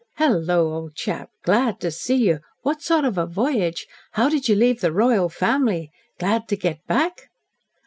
"Hello, old chap! Glad to see you. What sort of a voyage? How did you leave the royal family? Glad to get back?"